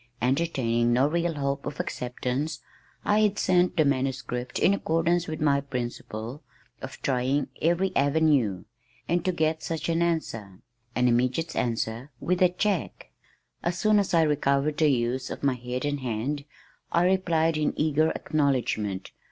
Entertaining no real hope of acceptance, I had sent the manuscript in accordance with my principle of trying every avenue, and to get such an answer an immediate answer with a check! As soon as I recovered the use of my head and hand, I replied in eager acknowledgment.